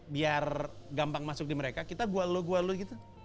biar gampang masuk di mereka kita gua lu gua lu gitu